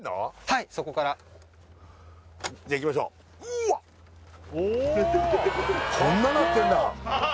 はいそこからじゃあ行きましょううわっこんななってんだ